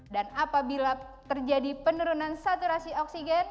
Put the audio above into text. dan apabila terjadi penurunan saturasi oksigen